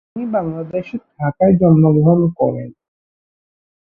তিনি বাংলাদেশের ঢাকায় জন্মগ্রহণ করেন।